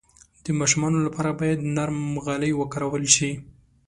د ماشومانو لپاره باید نرم غالۍ وکارول شي.